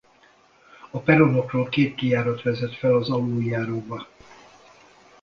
A peronokról két kijárat vezet fel az aluljáróba.